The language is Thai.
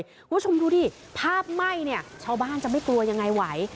คุณผู้ชมดูดิภาพไหม้เนี่ยชาวบ้านจะไม่กลัวยังไงไหว